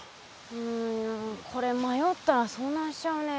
うんこれまよったらそうなんしちゃうね。